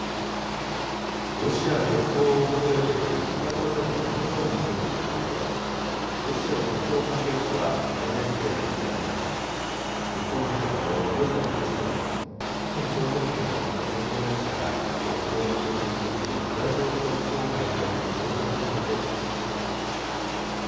ロシア極東を訪れている北朝鮮のキム・ジョンウン総書記についてロシアの鉄道関係者はＮＨＫの取材に対し日本時間の午前８時ごろキム総書記が乗った専用列車が極東の中心都市ウラジオストク郊外の駅に到着したと伝えました。